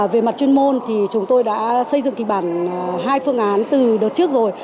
về mặt chuyên môn thì chúng tôi đã xây dựng kịch bản hai phương án từ đợt trước rồi